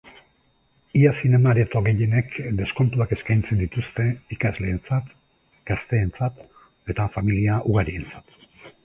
Ia zinema-areto gehienek deskontuak eskaintzen dituzte ikasleentzat, gazteentzat eta familia ugarientzat.